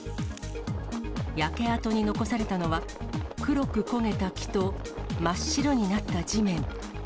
焼け跡に残されたのは、黒く焦げた木と真っ白になった地面。